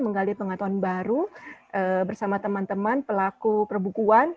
menggali pengetahuan baru bersama teman teman pelaku perbukuan